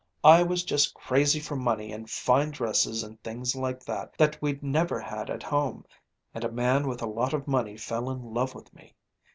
I was just crazy for money and fine dresses and things like that, that we'd never had at home; and a man with a lot of money fell in love with me.